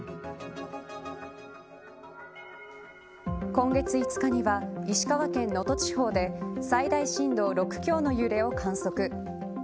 今月５日には石川県能登地方で最大震度６強の揺れを観測。